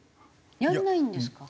やらないんですか？